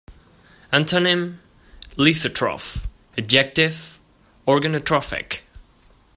Antonym: Lithotroph, Adjective: Organotrophic.